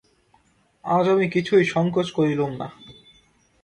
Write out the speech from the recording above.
আজ আমি কিছুই সংকোচ করলুম না।